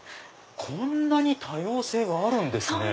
こんなに多様性があるんですね。